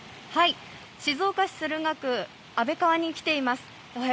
静岡市駿河区安倍川に来ています。